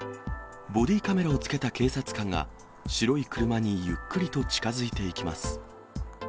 ボディーカメラをつけた警察官が白い車にゆっくりと近づいていきます。